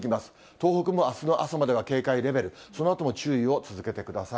東北もあすの朝までは警戒レベル、そのあとも注意を続けてください。